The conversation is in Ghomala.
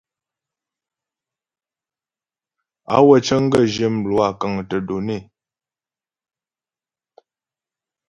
Á wə́ cəŋ gaə̂ zhyə́ mlwâ kə́ŋtə́ données.